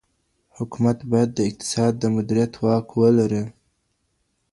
حکومت باید د اقتصاد د مدیریت واک ولري.